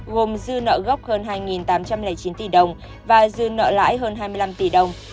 gồm dư nợ gốc hơn hai tám trăm linh chín tỷ đồng và dư nợ lãi hơn hai mươi năm tỷ đồng